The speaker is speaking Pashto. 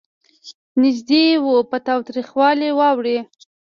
نېږدې و په تاوتریخوالي واوړي.